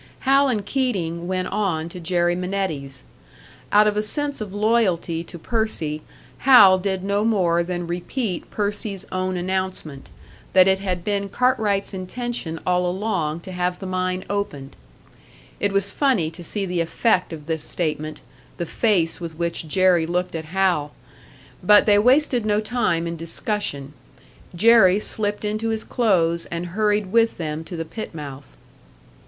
Hal and Keating went on to Jerry Minetti's. Out of a sense of loyalty to Percy, Hal did no more than repeat Percy's own announcement, that it had been Cartwright's intention all along to have the mine opened. It was funny to see the effect of this statement the face with which Jerry looked at Hal! But they wasted no time in discussion; Jerry slipped into his clothes and hurried with them to the pit mouth.